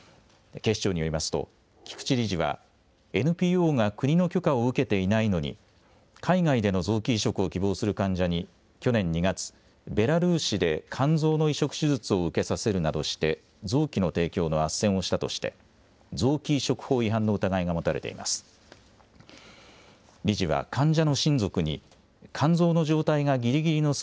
警視庁によりますと、菊池理事は、ＮＰＯが国の許可を受けていないのに、海外での臓器移植を希望する患者に、去年２月、ベラルーシで肝臓の移植手術を受けさせるなどして、臓器の提供のあっせんをしたとして、臓器移植法違反の疑いが持たれています。